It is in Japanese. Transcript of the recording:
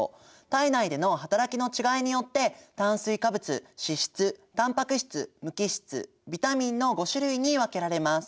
体内での働きの違いによって炭水化物脂質たんぱく質無機質ビタミンの５種類に分けられます。